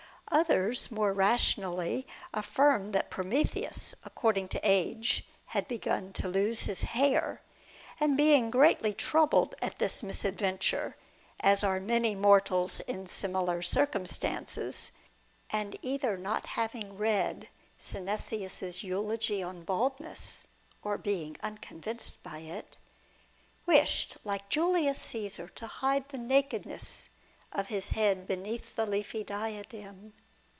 Others, more rationally, affirmed that Prometheus, owing to age, had begun to lose his hair, and being greatly troubled at this misadventure, as are many mortals in similar cir cumstances (and either not having read Synesius' eulogy y on baldness, or being unconvinced by i't), wished, like Julius Caesar, to hide the nakedness of his head beneath the leafy diadem.